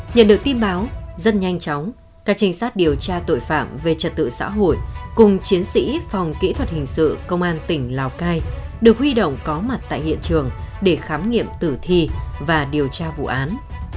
nhận được tin báo rất nhanh chóng các trinh sát điều tra tội phạm về trật tự xã hội cùng chiến sĩ phòng kỹ thuật hình sự công an tỉnh lào cai được huy động có mặt tại hiện trường để khám nghiệm tử thi và điều tra vụ án